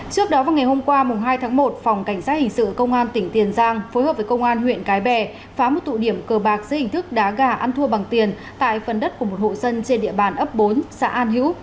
trước đó vào ngày hôm qua hai tháng một phòng cảnh sát hình sự công an tỉnh tiền giang phối hợp với công an huyện cái bè phá một tụ điểm cờ bạc giữa hình thức đá gà ăn thua bằng tiền tại phần đất của một hộ dân trên địa bàn ấp bốn xã an hữu